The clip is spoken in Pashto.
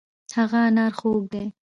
هغه انار خوږ دی.